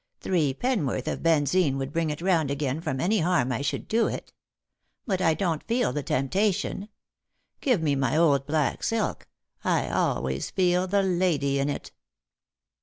Three pennorth of benzine would bring it round again from any harm I should do it. But I don't feel the temptation. Give me my old black silk ; I al ways feel the lady in it."